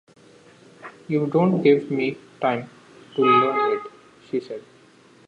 “You don’t give me time to learn it,” she said.